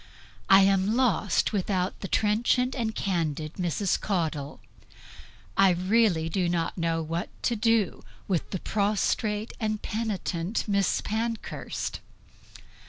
I am lost without the trenchant and candid Mrs. Caudle. I really do not know what to do with the prostrate and penitent Miss Pankhurst.